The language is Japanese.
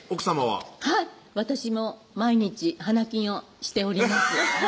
はい私も毎日花金をしております